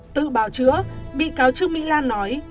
tự bào chữa bị cáo trước mỹ lan nói